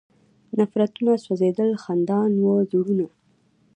نفرتونه سوځېدل، خندان و زړونه